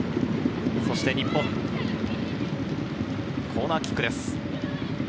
日本、コーナーキックです。